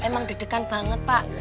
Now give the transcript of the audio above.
emang deg degan banget pak